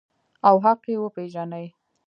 او حق یې وپیژني.